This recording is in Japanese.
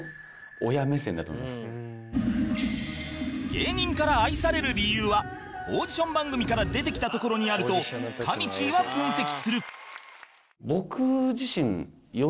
芸人から愛される理由はオーディション番組から出てきたところにあるとかみちぃは分析する